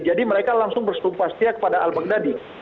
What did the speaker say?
jadi mereka langsung bersumpah setia kepada al baghdadi